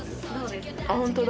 本当だ・